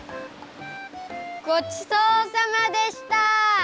ごちそうさまでした！